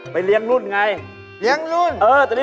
ไปเลี้ยงรุ่นไง